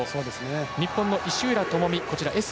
日本の石浦智美Ｓ